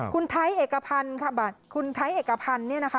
คุณไถ้เอกพรรณนะคะ